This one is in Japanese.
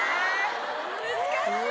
⁉難しい！